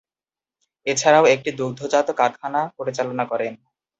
এছাড়াও একটি দুগ্ধজাত কারখানা পরিচালনা করেন।